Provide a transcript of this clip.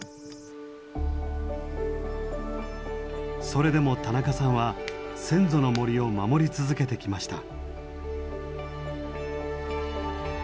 それでも田中さんは先祖の森を守り続けてきました。